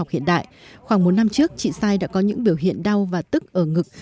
chị sai đã có những biểu hiện đau và tức ở ngực